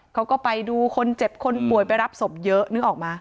เขาก็ไปดูคนเจ็บคนป่วยไปรับศพเยอะนึกออกมา